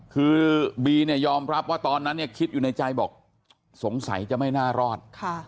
คือบีเนี่ยยอมรับว่าตอนนั้นเนี่ยคิดอยู่ในใจบอกสงสัยจะไม่น่ารอด